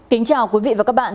kính chào quý vị và các bạn